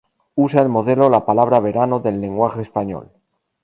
Usa el modelo la palabra "Verano" del lenguaje español.